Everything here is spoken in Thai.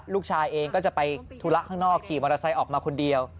ลูกชายเองก็จะไปธุระข้างนอกขี่มอเตอร์ไซค์ออกมาคนเดียว